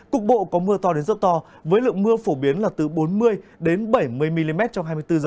cục bộ có mưa to đến rất to với lượng mưa phổ biến là từ bốn mươi bảy mươi mm trong hai mươi bốn h